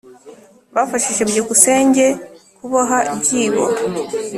bafashije byukusenge kuboha ibyibo